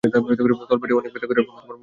তলপেট অনেক ব্যথা করে এবং বমি হয়।